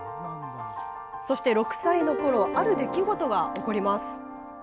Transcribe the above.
そして６歳のころある出来事が起こります。